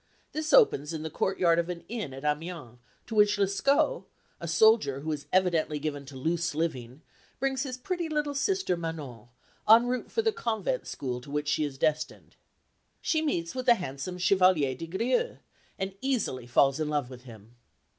This opens in the courtyard of an inn at Amiens to which Lescaut, a soldier who is evidently given to loose living, brings his pretty little sister Manon en route for the convent school to which she is destined. She meets with the handsome Chevalier des Grieux, and easily falls in love with him.